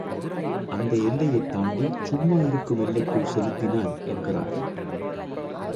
அந்த எல்லையைத் தாண்டி, சும்மா இருக்கும் எல்லைக்குள் செலுத்தினான் என்கிறார்.